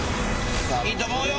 いいと思うよ。